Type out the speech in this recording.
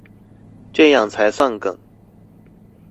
這樣才算梗